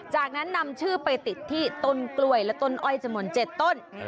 จากนั้นนำชื่อไปติดที่ต้นกล้วยและต้นอ้อยจำนวน๗ต้น